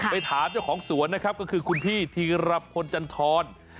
ไปถามเจ้าของสวนนะครับก็คือคุณพี่ธีรพลจันทร